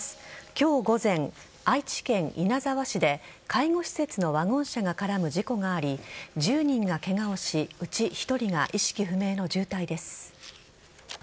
今日午前、愛知県稲沢市で介護施設のワゴン車が絡む事故があり１０人がケガをしうち１人が意識不明の重体です。